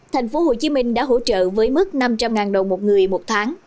thành phố hồ chí minh đã hỗ trợ với mức năm trăm linh đồng một người một tháng